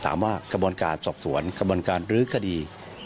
ถามว่ากระบวนการสอบสวนกระบวนการลื้อคดี